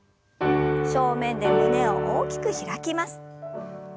正面で胸を大きく開きます。